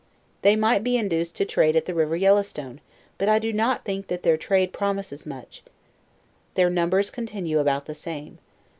They might be induced to trade at the river Yellow Stone; but I do not think that their trade promises mush. Their numbers continue about the same.